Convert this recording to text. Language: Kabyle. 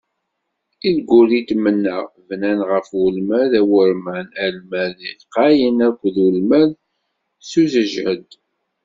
Ilguritmen-a, bnan ɣef ulmad awurman, Almad lqayen akked ulmad s useǧhed.